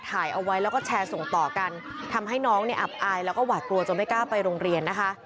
ถ่ายเอาไว้แล้วก็แชร์ส่งต่อกันทำให้น้องเนี่ยอับอายแล้วก็หวาดกลัวจนไม่กล้าไปโรงเรียนนะคะ